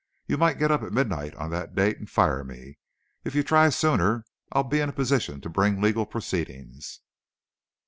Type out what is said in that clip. You might get up at midnight on that date and fire me. If you try it sooner I'll be in a position to bring legal proceedings."